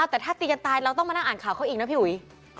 แต่ถ้าตีกันตายเราต้องมานั่งอ่านข่าวเขาอีกนะพี่อุ๋ย